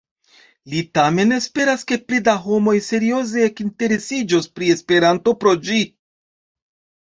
Li tamen esperas, ke pli da homoj serioze ekinteresiĝos pri Esperanto pro ĝi.